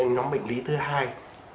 nhóm bệnh lý thứ hai